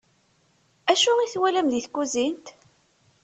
Acu i twalam di tkuzint?